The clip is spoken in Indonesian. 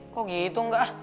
kok gitu enggak